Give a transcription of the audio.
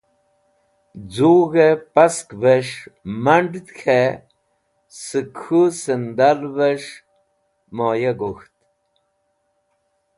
Z̃ug̃hẽ paskvẽs̃h mand̃ẽd k̃hẽ sẽk k̃hũ sẽndalves̃h muya gok̃ht